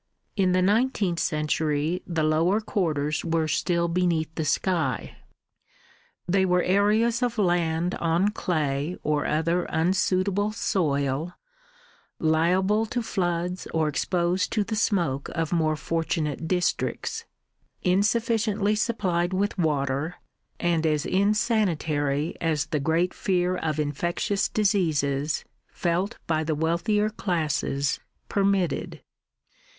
In the nineteenth century the lower quarters were still beneath the sky; they were areas of land on clay or other unsuitable soil, liable to floods or exposed to the smoke of more fortunate districts, insufficiently supplied with water, and as insanitary as the great fear of infectious diseases felt by the wealthier classes permitted.